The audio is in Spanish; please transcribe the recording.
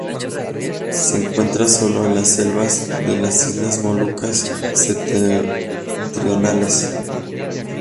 Se encuentra solo en las selvas de las islas Molucas septentrionales.